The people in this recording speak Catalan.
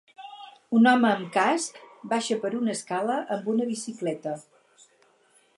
Un home amb casc baixa per una escala amb una bicicleta.